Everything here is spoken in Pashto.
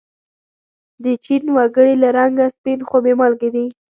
د چین و گړي له رنگه سپین خو بې مالگې دي.